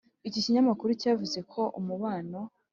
iki kinyamakuru cyavuze ko umubano